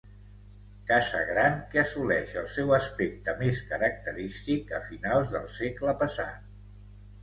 Casa gran que assoleix el seu aspecte més característic a finals del segle passat.